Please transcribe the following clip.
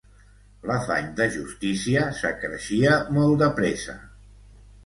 L'afany de justícia s'acreixia molt de pressa.